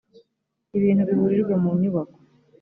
ibintu bihurijwe mu nyubako